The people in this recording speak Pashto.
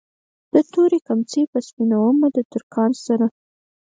دا تورې کمڅۍ به سپينومه د ترکان سره